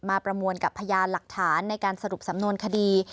ประมวลกับพยานหลักฐานในการสรุปสำนวนคดี